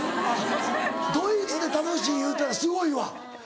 ドイツで楽しいいうたらすごいわ。